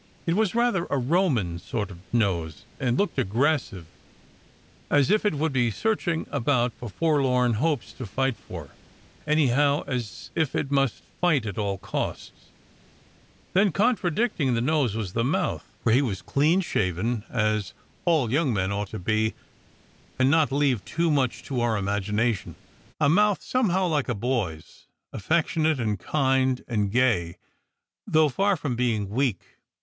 It was rather a Roman sort of nose, and looked aggressive, as if it would be searching about for f orlorti hopes to fight for ; anyhow, as if it must fight at all costs. Then, contra SECRET HISTORY 15 dieting the nose* was the mouth (for he was clean shaven as all young men ought to be, and not leave too much to our imagination), a mouth somehow like a boy s, affection ate and kind and gay, though far from being weak.